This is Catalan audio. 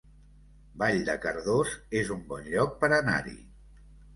Vall de Cardós es un bon lloc per anar-hi